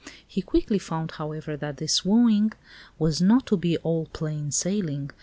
He quickly found, however, that his wooing was not to be all "plain sailing."